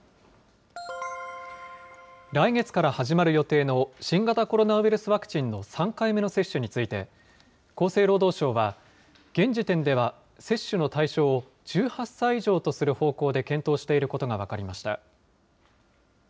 来月から始まる予定の新型コロナウイルスワクチンの３回目の接種について、厚生労働省は、現時点では接種の対象を１８歳以上とする方向で検討していることが分かりました。